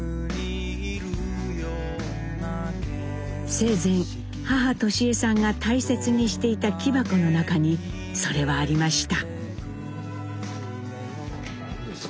生前母智江さんが大切にしていた木箱の中にそれはありました。